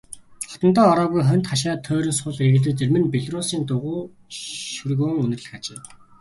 Хотондоо ороогүй хоньд хашаа тойрон сул эргэлдэж зарим нь белоруссын дугуй шөргөөн үнэрлэх ажээ.